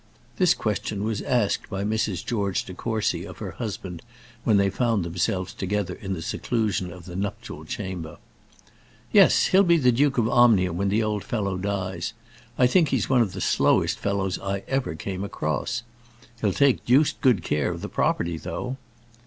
This question was asked by Mrs. George De Courcy of her husband, when they found themselves together in the seclusion of the nuptial chamber. "Yes; he'll be Duke of Omnium when the old fellow dies. I think he's one of the slowest fellows I ever came across. He'll take deuced good care of the property, though."